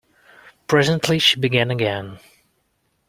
Presently she began again.